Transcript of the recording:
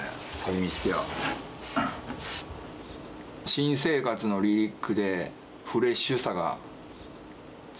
新生活のリリックでフレッシュさが伝わってくるわ。